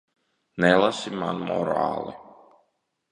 Nelasi man morāli.